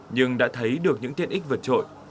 nhưng đã thấy được những tiện ích vượt trội